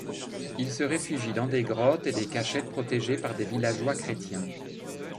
Il se réfugie dans des grottes ou des cachettes, protégé par des villageois chrétiens.